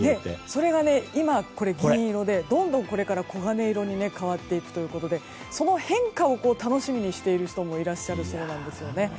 それが今、銀色でどんどんこれから黄金色に変わっていくということでその変化を楽しみにしている人もいらっしゃるそうなんですよね。